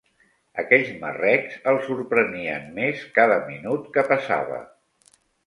Aquells marrecs el sorprenien més cada minut que passava.